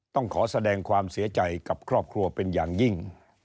ต้องขอแสดงความเสียใจกับครอบครัวเป็นอย่างยิ่ง